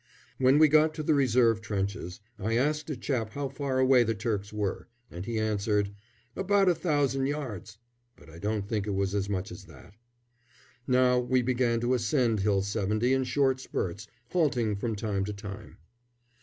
When we got to the reserve trenches I asked a chap how far away the Turks were, and he answered, "About a thousand yards," but I don't think it was as much as that. Now we began to ascend Hill 70 in short spurts, halting from time to time.